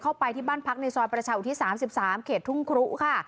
เข้าไปที่บ้านพักในซอยประชาอุทิศ๓๓เขตทุ่งครุค่ะ